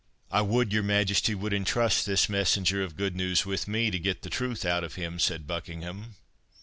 "I would your Majesty would intrust this messenger of good news with me, to get the truth out of him," said Buckingham.